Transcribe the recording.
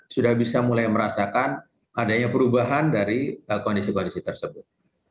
sudah bisa mulai merasakan adanya perubahan dari kondisi kondisi tersebut